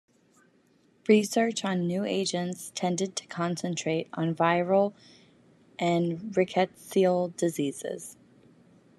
Research on new agents tended to concentrate on viral and rickettsial diseases.